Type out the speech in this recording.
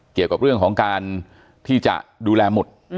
เกี่ยวกับเรื่องของการที่จะดูแลหมุด